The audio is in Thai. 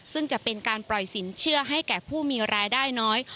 ซึ่งจะเป็นการปล่อยสินเชื่อให้แก่ผู้มีรายได้น้อย